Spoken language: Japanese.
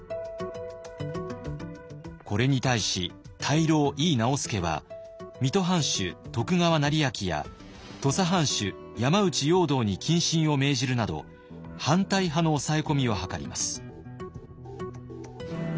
これに対し大老井伊直弼は水戸藩主徳川斉昭や土佐藩主山内容堂に謹慎を命じるなど反対派の抑え込みを図ります。